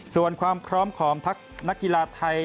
ส่วนความพร้อมของทักนักกีฬาไทย